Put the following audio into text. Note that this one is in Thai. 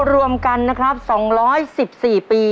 รวมกันนะครับสองร้อยสิบสี่ปี